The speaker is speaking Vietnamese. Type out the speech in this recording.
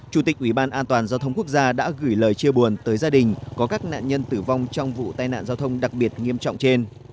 chủ tịch ủy ban an toàn giao thông quốc gia đã gửi lời chia buồn tới gia đình có các nạn nhân tử vong trong vụ tai nạn giao thông đặc biệt nghiêm trọng trên